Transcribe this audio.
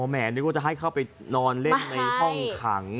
แห่นึกว่าจะให้เข้าไปนอนเล่นในห้องขัง